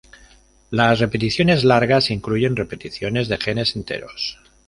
Las repeticiones largas incluyen repeticiones de genes enteros.